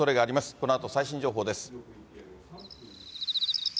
このあと最新情報です。